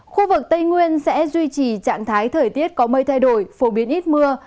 khu vực tây nguyên sẽ duy trì trạng thái thời tiết có mây thay đổi phổ biến ít mưa